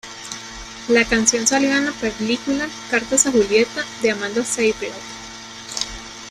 La canción salió en la película: Cartas a Julieta, de Amanda Seyfried.